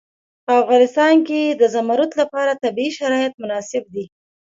په افغانستان کې د زمرد لپاره طبیعي شرایط مناسب دي.